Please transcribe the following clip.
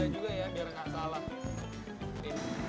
ini penanda juga ya biar gak salah